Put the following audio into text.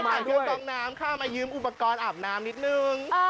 ถ่ายเครื่องกองน้ำข้ามายืมอุปกรณ์อาบน้ำนิดนึง